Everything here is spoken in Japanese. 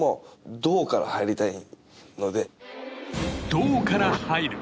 動から入る。